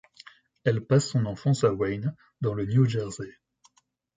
Elle passe son enfance à Wayne, dans le New Jersey.